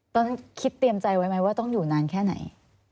ตอนนั้นคิดเตรียมใจไว้ไหมว่าต้องอยู่นานแค่ไหน